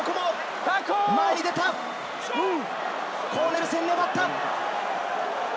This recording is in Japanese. コーネルセン、粘った。